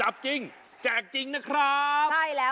พร้อมนะ